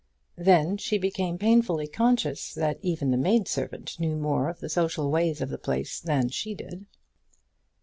Then she became painfully conscious that even the maid servant knew more of the social ways of the place than did she.